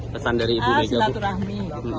pesan dari ibu mega bu